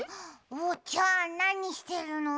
おうちゃんなにしてるの？